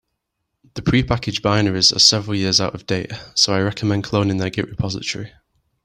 The prepackaged binaries are several years out of date, so I recommend cloning their git repository.